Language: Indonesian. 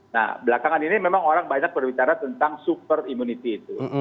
nah belakangan ini memang orang banyak berbicara tentang super immunity itu